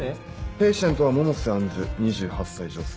ペイシェントは百瀬杏樹２８歳女性。